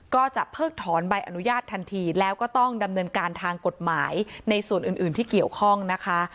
เพิกถอนใบอนุญาตทันทีแล้วก็ต้องดำเนินการทางกฎหมายในส่วนอื่นที่เกี่ยวข้องนะคะ